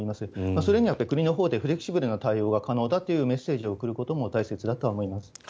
それには国のほうでフレキシブルな対応が可能だというメッセージを送ることも大切だと思います。